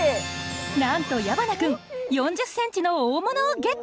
なんと矢花君４０センチの大物をゲット！